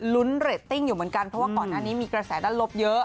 เรตติ้งอยู่เหมือนกันเพราะว่าก่อนหน้านี้มีกระแสด้านลบเยอะ